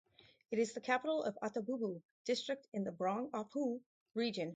It is the capital of Atebubu district in the Brong Ahafo Region.